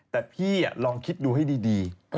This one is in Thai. แต่พี่ลองคิดดูให้ดี